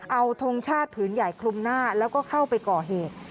เอาทงชาติผืนใหญ่คลุมหน้าแล้วก็เข้าไปก่อเหตุ